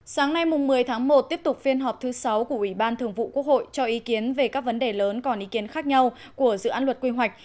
sáng nay một mươi tháng một tiếp tục phiên họp thứ sáu của ủy ban thường vụ quốc hội cho ý kiến về các vấn đề lớn còn ý kiến khác nhau của dự án luật quy hoạch